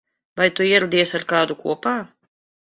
Vai tu ieradies ar kādu kopā?